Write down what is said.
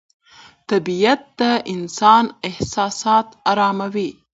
طبیعت د انسان احساسات اراموي